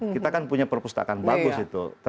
kita kan punya perpustakaan bagus itu